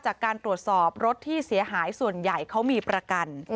จากการตรวจสอบรถที่เสียหายส่วนใหญ่เขามีประกัน